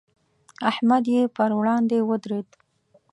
احمد یې پر وړاندې ودرېد.